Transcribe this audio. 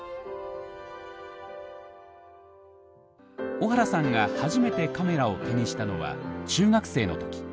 小原さんが初めてカメラを手にしたのは中学生の時。